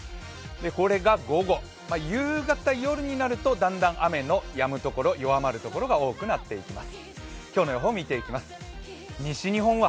これが午後、夕方、夜になるとだんだん雨のやむところ、弱まるところが多くなっていきます。